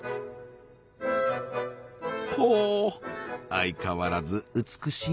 ほ相変わらず美しい。